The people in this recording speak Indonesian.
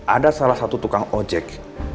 ada salah satu tukang ojek